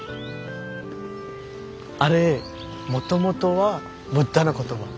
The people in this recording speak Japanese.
あれもともとはブッダの言葉。